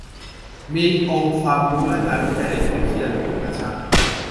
มีองค์ความรู้และงานวิจัยในพื้นที่ในระดับนานาชาติ